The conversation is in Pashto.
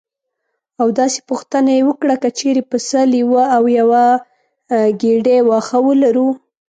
او داسې پوښتنه یې وکړه: که چېرې پسه لیوه او یوه ګېډۍ واښه ولرو.